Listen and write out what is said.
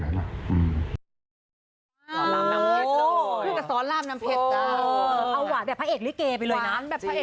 เอาหว่าแบบพระเอกนิเกย์ไปเลยนั้น